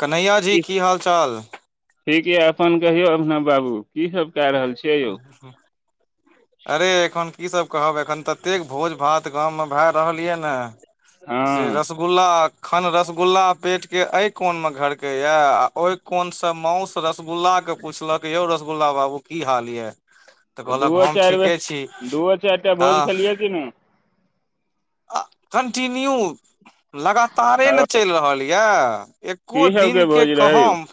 कन्हैया जी की हालचाल ठीक यइ अपन कहियौ अभिनव बाबू की सब कए रहल छियै यौ अरे एखन की सब कहब एखन ततेक भोज भात गाममे भए रहल यऽ न से हँ रसगुल्ला खन रसगुल्ला पेट के ए कोन मे घर के ये आ ओय कोन से माउस रसगुल्ला के पूछलक यौ रसगुल्ला बाबू की हाल यै तऽ कहलक दूओ हम चारि बेर ठीके छी दूओ चारि टा अ भोज खेलियै कि नहि आ कन्टिन्यू लगातारे आ ने चलि रहल यऽ की एको सबके दिनके भोज रहै यौ कहम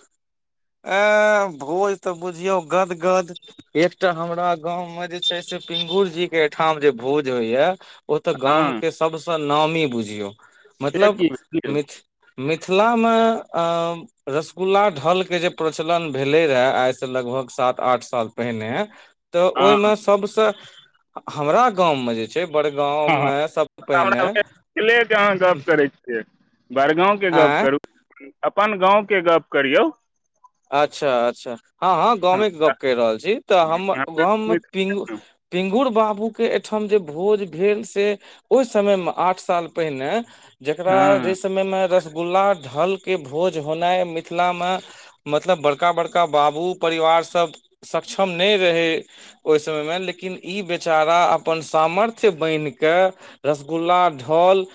ए भोज तऽ बुझियौ गदगद एकटा हमरा गाँंव मे जे छैय से पिंगुर जी के ओठाम जे भोज होय य ओ ते हँ गाम के सब स नामी बुझियौ से मतलब की मिथ यौ मित मिथिला मऽ रसगुल्ला ढल के जे प्रचलन भेले रहे आइ से लगभग सात आठ साल पहिनेै तऽ हँ ओहिमे सबस हमरा गाँव मे जे जे बड़गाँव हँ मे सबसँ पहिने हमरा बड़गाँवके गप आँय करू अपन गाँवके गप करियौ अच्छा अच्छा हँ हँ गामेके गप कर रहल छी तऽ हम हँ गाँवमे पि पिंगुुर बाप पू के एहिठम जे भोज भेल से ओहि समय मे आठ साल पहिने जकरा जैसमैय रसगुल्ला ढलके भोज होनाइ मिथिलामे मतलब बड़का बड़का बाबू परिवार सब सक्षम नहि रहै ओहि समय मे लेकिन ई बेचारा अपन सामर्थ्य बान्हि कऽ रसगुल्ला ढल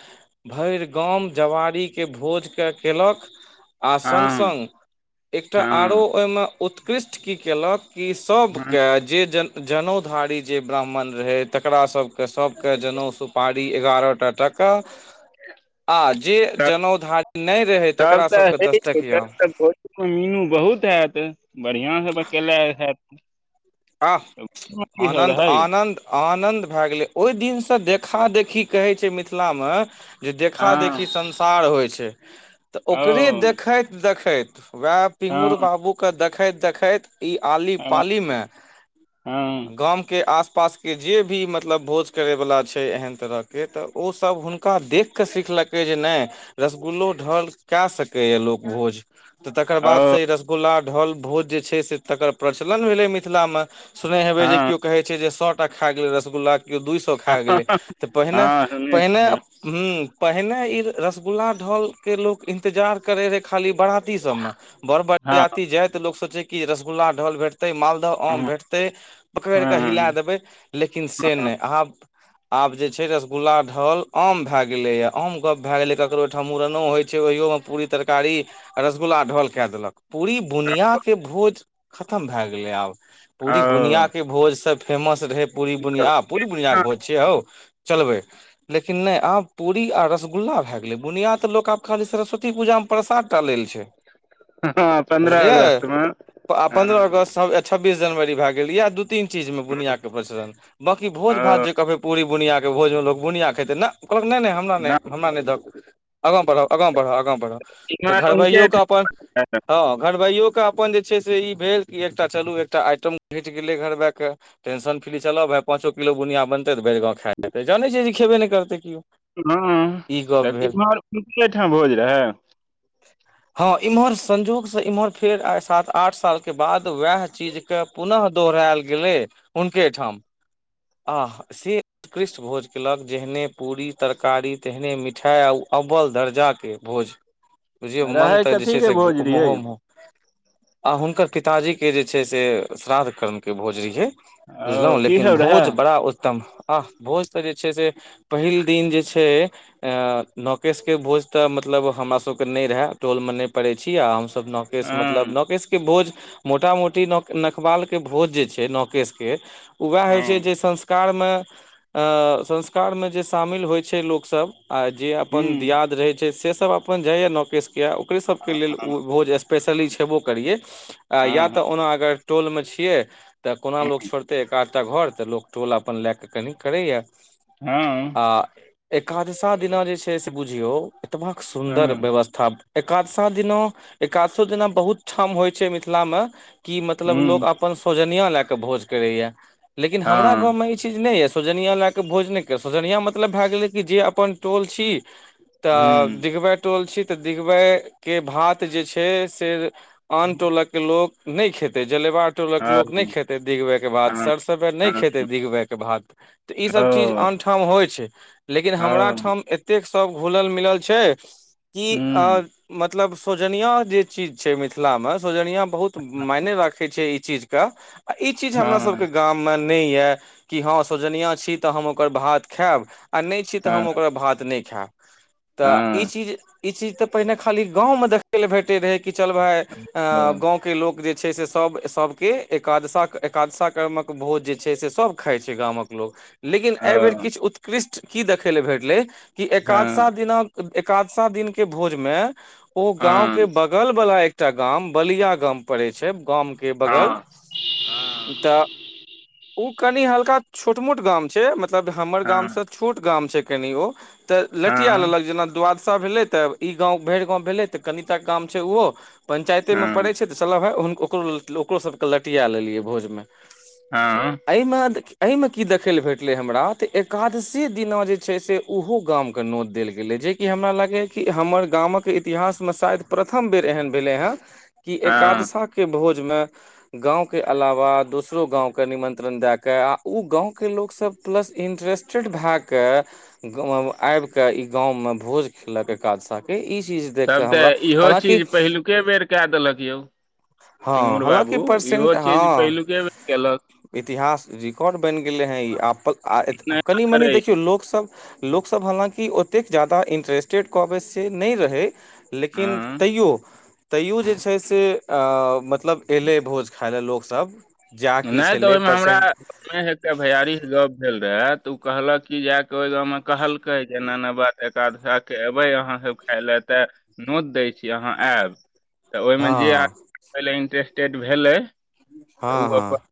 भरि गाम जवारीके भोज के केलक आ सङ्ग हँ सङ्ग एकटा आरो हँ ओहिमे उत्कृष्ट की केलक कि हँ सभके जे जन जनउ धारी जे ब्राह्मण रहय तकरा सबके सभके जनउ सु पाड़ी एगारहटा टाका आ जे त जनउ टकिया [unintelligible] मीनू बहुत एत बढ़ियां से बकेला हेत आ आनन्द यौ आनन्द आनन्द भए गेलै ओहि दिनसँ देखा देखी कहै छै मिथिला मिथिला मे जे देखा हँ देखी संसार होइ छै तऽ ओकरे ओ देखैत देखैत देख वएह पिंगुर हँ बाबू के देखैत देखैत इ आली हँ पाली मे हँ गामके आस पास के जे भी मतलब भोज करै वला छै एहन तरह के तऽ ओ सब हुनका देख केऽ सिखल लकै जे नहि रसगुल्लो ढल कए सकै या लोक भोज तऽ तकर बाद ओ से रसगुल्ला ढोल भोज जे छै से तकर प्रचलन भेलै मिथिला मे सुने हेबे जे हँ क्यो कहे छै जे सएटा खा गेलै रसगुल्ला कक्यो दू सए खा गेलै तऽ पहिने हँ सुनै पहिने छियै ह पहिने इ रसगुल्ला ढल के लोग इंतजार करे रहे खाली बराती सबमे बड़ हँ बरती जायइत लोको सोचे कि रसगुल्ला ढल भेटतै माल आम हँ भेटतै एक बैर कऽ हिला देबै लेकिन से नै आब जे छै रसगुल्ला ढ़ल आम भैय गेले या आम गप भैय गेले ककरो आ ओहिठाम मुड़नो होय छै ओहि पुरी तरकारी रसगुल्ला ढोल के देलक पूरी बुनी बुनीया के भोज खतम भय गेलै आब पूरी सुनीता ओ हँ के भोज सब फेमस रहे पूरी बुनिया आ पूरी बुनिया के भोज छिय हौ चलबे लेकिन नहि आब पूरी आ रसगुल्ला भए गेलै बुनिया तऽ लोक आब खाली सरस्वती पूजा में प्रसाद लेल छै पन्द्रह बुझलियै अगस्त मे आ पन्द्रह अगस्त ए छब्बीस जनवरी भए गेल य दू तीन चीज मे बनिया के प्रसरण बाँकी भोज भात ओ जे कहबै पूरी बुनिया के भोज में‌ लोक बुनिया खेेतै कहलक हमरा नै हमरा नै दहक आगे बढ़ आगे आगे बढ़े तऽ इम्हर उनके घरबइयौ कऽ अपन ठाम हाँ घरबइओ कऽ अपन जे छै से ई भेल कि एकटा चलू एकटा आइटम घंइट गेले घरबा के टेंशन फ्री चल भाय पाचो किलो बुनिया बनते तऽ भर गांव खैब जानै छियै जे खेबे नहि करतै केओ हँ ई गप तऽ भेल इमहरे एहिठाम भोज रहए हँ इम्हर संजोग से इम्हर फेर आ सात आठ साल के बाद वएह चीज के पुनः दोहरायल गेलै हुनके ठाम आह से उत्कृष्ट भोज कयेलक जेहने पूरी तरकारी तेहने मिठाइ आ अव्व्ल दर्जा के भोज बुझिय मन रहै तऽ कथी जे के से भोज रहियै महो महो आ हुनकर पिताजी के जे छै से श्राद्ध कर्म के भोज रहि यौ ओ बुझलहु की लेकिन सब रहै भोज बड़ा उत्तम हँ भोज तऽ जे छै से पहिल दिन जे छै अ नौ केश के भोज तऽ मतलब मतलब हमरा सब के नहि रहय टोल मे न नहि पड़े छी आ हम नौ केस मतलब हँ नौ केश के भोज मोटा मोटी तिनो नखवाल के भोज जे छै न के वएह होइ छै हँ जे संस्कार में अ संस्कार मे जे शामिल होइ छै लोक सब आ जे अपन हूँ दियाद रहे छै से सब अपन जाइ या नौ केश के ओकरे सब के लेल उ भोज स स्पेशली छेबो करिए हँ हँ ओना अगर टोल मे छियै तऽ कोना हँ लोक छोड़तै एकाध तऽ घर ते लोग टोल अपन लय के कनी करे या हँ एकादशा दिना जे छै से बुझियौ एतबा सुन्दर हँ व्यवस्था एकादशा दिना एकादशो दिना बहुत ठाम होय छै मिथिला में की मतलब हूँ लोक अपन सौजनिया लय के भोज करे या लेकिन हमरा गाँव हँ में ई चीज नहि ये सौजनिया लए क भोजने के सौजनिया मतलब भए गेलै कि जे अपन टोल छी तऽ हूँ दिघबै टोल छी तऽ दिघबै के भात जे छै से आन टोलक के लोक नहि खेते जलेवा टोलक हँ लोक नहि खेते दिघबै के भात हँ सर सब नहि हँ खेते दिघबै के बाद तऽ ई सब चीज ओ आन ठाम होइ छै लेकिन हमरा हँ ठाम एतेक सब घुलल मिलल छै कि हूँ अऽ मतब मतलब सौजनिआ जे चीज छै मिथिला में सौजनिया बहुत चीज कऽ ई चीज हमरा सब हँ के गाम नहि यऽ कि हँ सोजनिया छी तऽ हम ओकर भात खायब आ नहि छी तऽ हँ हम ओकरा भात नहि खायब तऽ ई हँ चीज ई चीज तऽ पहिने खाली गाँव मे देखै लऽ भेटैत रहै कि चल भै हँ गाँव के लोक जे छै से सब सब केाद एकादशा कर्म कऽ भोज जे छै से सब खाय छै गाँवमे गामक लोक लेकिन एहि बेेर हँ किछु उत्कृष्ट की देखै लऽ भेटलै कि एकादशा हँ दिनक एकादशा दिन के भोजमे ओ गाँंव हँ के बगल बला एकटा गाम बलिया गाम पड़ै छै गामके हँ बगल हँ तऽ ओ कनि हल्का छोट मोट गाम छै मतलब हमर गामसँ छोट गाम छै कनि ओ तऽ लटिया लेलक जेना द्वाद सा भेलै तऽ ई गाँव भरि गाँंव भेलै तऽ कनिटा गाम छै ओहो हँ पंचायते मे हँ पड़े छै चला भाई ओकरो ओकरो सबके लटिया लेलियै भोजमे हँ एहिमे एहीमे की देखेले भेटले हमरा त एकादशी दिना जे छै से उहो गाम के नोत देल गेले जेकि हमरा लागैए कि हमर गामक इतिहासमे शायद प्रथम बेर एहन भेलै हं की हँ एकादशा के भोज मे गाँंव के अलावा दोसरो गाँव के निमंत्रण देएके आ ओ गाँव के लोक सब प्लस इंट्रेस्टेड भेए के आब के इ गाँंवमे भोज खेलक एकाद सा के ई चीज देख तब कऽ तऽ हमरा इहो हालाँकि चीज पहिलु के बेर कए देलक यौ हँ पिंगुर हलाकि बाबू परसेंट इहो चीज हँ पहिलुके बेर केलक इतिहास रिकॉर्ड बनि गेलै हे ई आप आ नहि कनि मनि करैय देखियो लोक सब लोकसभ हालाँकि ओतेक जादा इन्टरेस्टेड कहबै से नहि रहै लेकिन हँ तैयो तैयो जे छै से अ मतलब एलै भोज खाइ लए लोक सब नहि तऽ ओहिमे हमरा हे टा भैयारी स गप भेल रहे तऽ ओ कहलक की जा के ओहि गाँवमे कहलकै जे एना एना बात दसा के एबै अहाँ सब खाय ले त नोत दै छी अहाँ एब तऽ ओहिमे हँ जे आदमी पहिले इंटरेस्टेड भेलै हँ तऽ ओ हँ अपन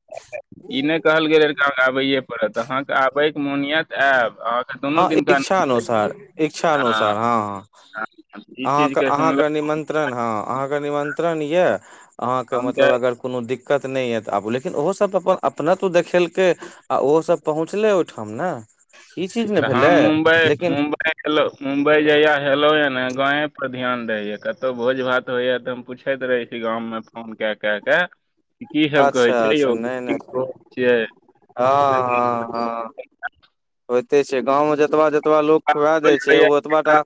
ई नहि कहल गेल के आबैए पड़त अहाँ के आबय के मोनि ए त आयब अहाँ हँ इच्छा अनुसार इच्छानुसार हँ हँ ई अहाँ के चीजके सुनलक अहाँके निमन्त्रण हँ अहाँके निमन्त्रण यए अहाँके हम तऽ मतलब अगर कोनो दिक्क क्कत नहि य तऽ आबू लेकिन ओहो सब अपन अपनत्व देखेलकै आ ओहो सब पहुँचलै ओहिठाम ने कि तऽ हमँ मुम्बइ मुम्बइो मुम्बइ जहिया हेलो ह गावे पर ध्यान रहय या कतहु भोज भात होइ या तऽ हम पूछैत रहे छी गाँव मे फोन के के की सब कहै अच्छा छै अच्छा यौ नहि नहि छियै हँ तऽ हँ हँ होइते छै गाँव मे जतबा जतबा लोक खुऐ दै छै ओ ओतबा टा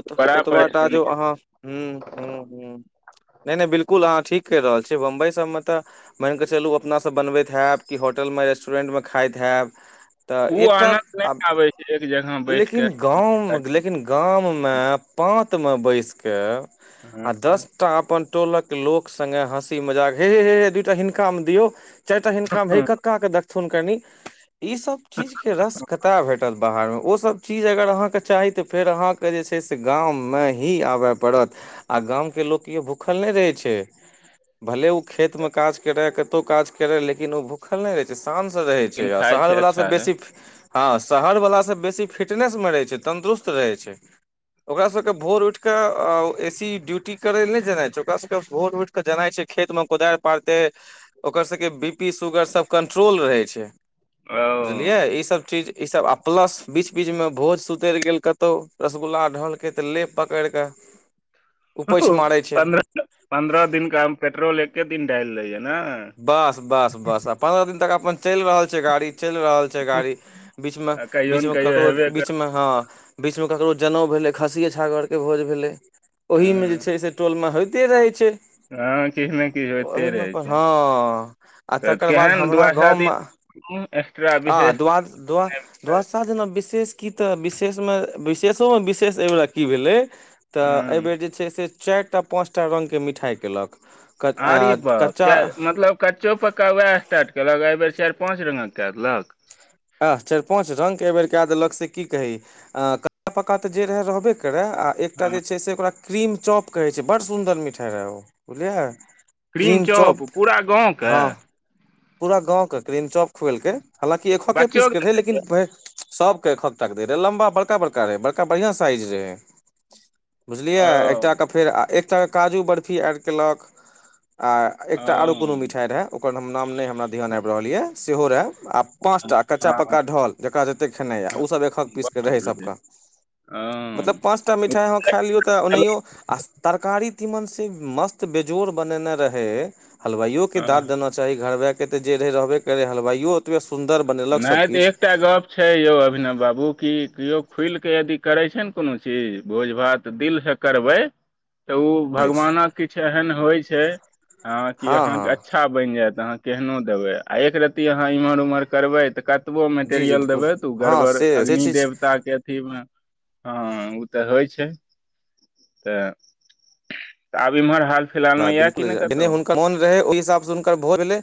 ओत बड़ा ओतबाटा परेशानी जो अहाँ हूं हूं हूं नहि नहि बिल्कुल अहाँ ठीक कर रहल छीयै बम्बई सब में तऽ मानि कऽ चलू अपना सब बनबैत हैब कि होटल मे रेस्टोरेन्ट मे खाइत हैब तऽ ओ एक टा आनन्द नहि अब आबै छै एक जगह बैठ के लेकिन गाँव लेकिन गाम मे पात मे बैसके आ दस टा अपन टोलक लोक सगे हँसी मजाक हे हेे दूटा हिनका मे दियै चारि टा हिनका मे हइ कका के देकथुन कनी ई सब चीज के रस कतय भेटत बाहर मे ओ सब चीज अगर अहाँके चाही तऽ फेर अहाँके जे छै से गाँमे ही आबय पड़त आ गाम के लोक के भूखल नहि रहै छै भले ओ खेत मे काज करै कतहुँ काज करै लेकिन ओ भूखल नहि रहै छै आ शानसँ रहै छै लेकिन आ खाय शहरवलासँ अच्छा है बेसी फी हँ शहरवलाास सभ बेसी फिटनेस मे रहै छै तन्दुरुस्त रहै छै ओकरा सभके भोर उठि कऽ अ ओ ए सी ड्यूटी करय ल नहि जेनाइ छै ओकरा सभके भोर उठि कऽ जेनाइ छै खेत मे कोदारि पारते ओकर सबके बी पी सुगर सब कंट्रोल रहे छै ओ बुझलियै ई सब चीज ई सब प्लस बीच बीच मे भोज सुतरि गेल कतौ रसगुल्ला ढलके तऽ ले पकड़ के ओ पन्द्रह पन्द्रह दिन क पेट्रोल एके दिन डालि लाइए बस बस बस आ पन्द्रह दिन तक अपन चलि रहल छै गाड़ी चलि रहल छै गाड़ी बीचमे आ कहियो ने बीचमे कहियो ककरो हेबे कर बीचमे हँ बीच मे ककरो जनेउ भेले खसी छागर के भोज भेले ओहि मे जे हँ छै से टोल मे होय दे रहै छै हँ किछ नइ किछ होइते ओहिमे रहै अपन छै हँ आ तऽ तकर बाद केहन हमरा दुआसा गाँवमे दिन एक्स्ट्रा आ विशेष दुआ दुआ कर। दुआसा दिना विशेष की तऽ विशेषमे विशेषोमे विशेष एहिब की भेलै तऽ हँ एहिबेर जे छै से चारिटा पाँच टा रंगके मिठाइ कयेलक आरे बाप च मतलब कच्चो पक्का उएह स्टार्ट केललक एहि बेर चारि पाँच रंगक क देलक आह चाइर पाँच रंगके एहि बेेर कए देलक से की कही कच्चा पक्का तऽ जे रहै रहबे आ एकटा हँ जे छै ओकरा क्रीम चॉप कहै छै बड़ सुन्दर मिठाइ रहै ओ बुझलियै क्रीम चॉप हँ पूरा गाँव के क्रीन चौक खोएलि कै हालाँकि एकहके बच्चो पीसके रहै लेकिन के सबके खक द रहै लम्बा बड़का बड़का रहे बड़का बढ़िया साइज रहे बुझलियै ओ एकटाके फेर आ एकटाके काजू बर्फी ऐड कयलक आ ओ एकटा आरो कोनो मिठाइ रहै ओकर नाम नहि हमरा ध्यान आबि रहल यऽ सेहो रहै आ पाँच टा कच्चा हँ पक्का ढोल जकरा जतेक खेनाइए हँ, ओसभ एकहक पीस कऽ बाप रहै रे। सभके मतलब हँ, पाँचटा मिठाइ अहाँ खाए लियौ तऽ ओहियओ आ तरकारी तीमन से मस्त बेजोड़ बनेने रहै हलवाइयो के दाँद हँ, देना चाही घरबा के त जे रहे रहबे करे हलवइयो ओतबे सुन्दर बनेलक नहि तऽ सभकिछु एकटा गप छै यौ अभिनव बाबू की खुलि कऽ यदि करै छै ने कोनो चीज भोज भात दिल सँ करबै तऽ ओ भगवानक किछु एहन होइ छै ह कि हँ अहा हँ के अच्छा बनि जायत तऽ अहाँ केहनो देबै आ एकरत्ती अहाँ एम्हर ओम्हरबै तऽ कत कतबो जी जी मेटेरियल बिल्कुल देबै तऽ ओ हँ गड़बड़ से से अग्नि चीज देवता के अथीमे हँ ओ तऽ होइ छै तऽ आब इम्हर हाल फिलहालमे हँ यए कि बिलकुल नहि जेने कतहु हुनकर मोन रहै ओहि हिसाबसँ हुनकर भय भेलै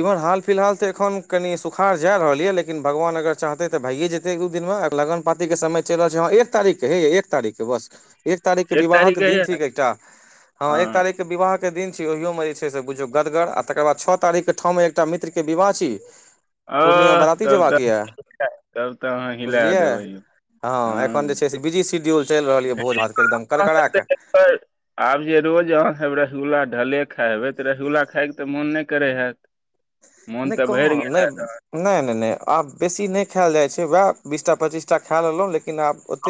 इम्हन हाल फिलहाल तऽ एखन कनि सुखार जाय रहल ये लेकिन भगवान अगर चाहते ते भायए जेते एक दू दिनमे लगन पातिक के समय चलि रहल छै हँ एक तारीख के हे य एक तारीख के बस एक तारीख के विवाह के तारीख दिन यए थ एकटा हँ एक तारीख के विवाह दिन छी ओहियोमे जे छै से बुझियौ गदगर आ तकर बाद छओ तारीख के ठाम मे एकटा मित्र के विवाह छी आ पूर्णिया बराती तब जेबाक तऽ यऽ तब तऽ अहाँ हिला बुझलियै देबै हँ एखन जे छै से बिजी शिड्यूल चलि रहल यए भोज भातके एकदम अहाँ सब करका कऽ तऽ एकर आब जे रोज अहाँ हब रसगुल्ला ढले खाइ हब तऽ रसगुल्ला खायके तऽ मोन नहि करे हयत मोन नहि तऽ भरि कहाँ गेल नहि हेत नहि नहि नहि आब बेसी नहि खायल जाइत छै उएह बीस टा पचीसटा खा लेलहुँ ले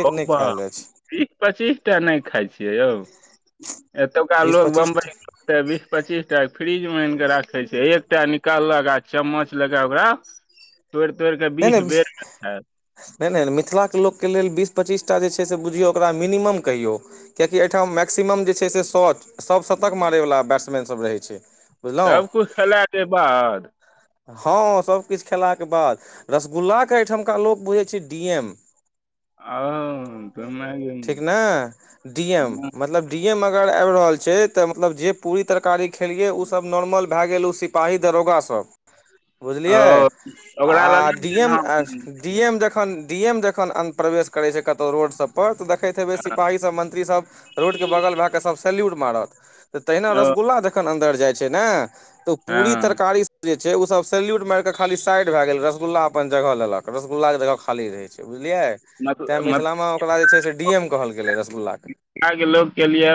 हौ बाह बीस पच्चीस टा नहि खाइ छियै यौ एतुका बीस लोग पच्चीस टा बम्बई बीस पच्चीस टा फ्री मन के राखे छै एकटा निकाललक आ चम्मच लके ओकरा तोड़ि तोड़ि कऽ नहि बीस बेर खायत नहि नहि मिथिलाके लोकके लेल विस बीस पच्चीस टा बुझीओ मिनिमम कहियो है आइटम मक्सिम जे छै सो सभ शतक मारैवला बैट्समैन सभ रहै छै बुझलहुँ सबकछु खेलाके बाद हँ सभकिछु खेलाके बाद रसगुल्लाके एहिठमका लोक बुझै छै डी एम ओ ठीक ने डी एम मतलब डी मे अगर आब रहल छै त मतलब जे पूरी तरकारी खेलिये उ सब नॉर्मल भाए गेल उ सिपाही दारोगा सब बुझलिए ओ ओकरा लग आ डीएम जखन डीएम जखन अन्य परिवेश करैय छै कतो रोड सब पर तऽ देख देखैत हेबै सिपाहीसभ मंत्रीसभ रोडके बगल भए कऽ सभ सल्यूट मारत तहिना ओ रसगुल्ला जखन अन्दर जाय छै ने तऽ पूरी हँ तरकारी जे उसब सेल्यूट मार के खाली साइड भय गेल रसगुल्ला अपन जगह लेलक रसगुल्ला के जगह खाली रहे छै बुझलियै मत तैं मिथिलामे ओकरा जे छै से डी एम कहल गेलै रसगुल्लाके मथुरा के लोग के लिए